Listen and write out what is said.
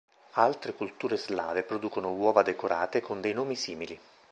Altre culture slave producono uova decorate con dei nomi simili.